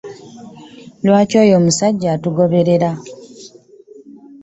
Lwaki oyo omusajja atugoberera?